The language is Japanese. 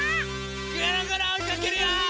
ぐるぐるおいかけるよ！